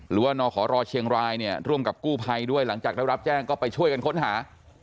นขรเชียงรายเนี่ยร่วมกับกู้ภัยด้วยหลังจากได้รับแจ้งก็ไปช่วยกันค้นหา